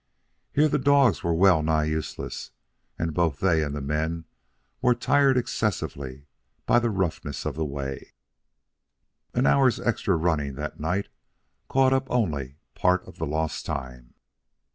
Here the dogs were well nigh useless, and both they and the men were tried excessively by the roughness of the way. An hour's extra running that night caught up only part of the lost time.